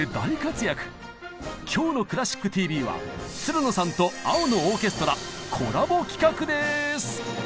今日の「クラシックＴＶ」はつるのさんと「青のオーケストラ」コラボ企画です！